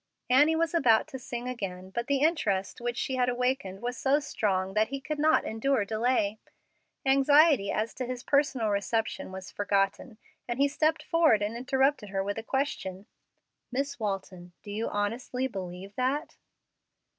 Annie was about to sing again, but the interest which she had awakened was so strong that he could not endure delay. Anxiety as to his personal reception was forgotten, and he stepped forward and interrupted her with a question. "Miss Walton, do you honestly believe that?"